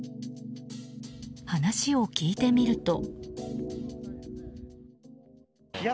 話を聞いてみると。